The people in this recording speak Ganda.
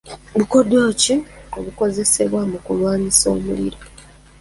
Bukodyo ki obukozesebwa mu kulwanyisa omuliro?